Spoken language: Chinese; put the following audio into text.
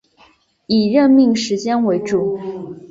以任命时间为主